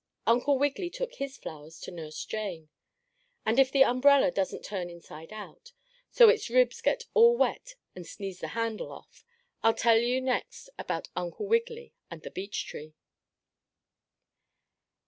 Uncle Wiggily took his flowers to Nurse Jane. And if the umbrella doesn't turn inside out, so its ribs get all wet and sneeze the handle off, I'll tell you next about Uncle Wiggily and the beech tree.